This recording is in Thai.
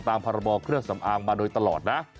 ตามพคมาโดยตลอดนะ